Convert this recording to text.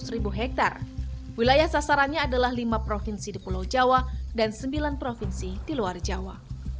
seratus ribu hektare wilayah sasarannya adalah lima provinsi di pulau jawa dan sembilan provinsi di luar jawa